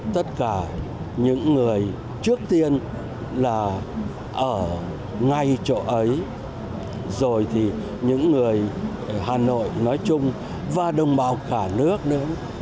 tất cả những người trước tiên là ở ngay chỗ ấy rồi thì những người hà nội nói chung và đồng bào cả nước nữa